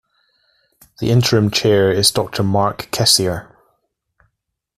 The interim chair is Doctor Mark Kessler.